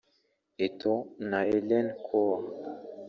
Eto’o na Helene Koah